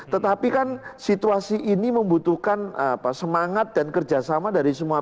tetapi kan situasi ini membutuhkan semangat dan kerjasama dari semua